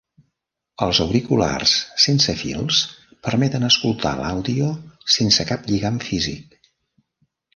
Els auriculars sense fils permeten escoltar l'àudio sense cap lligam físic.